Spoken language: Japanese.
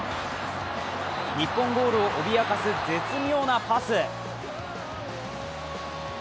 日本ゴールを脅かす絶妙なパス。